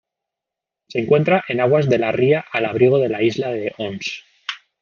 Se encuentra en aguas de la ría al abrigo de la isla de Ons.